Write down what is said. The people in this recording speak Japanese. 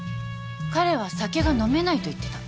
彼は酒が飲めないと言ってた。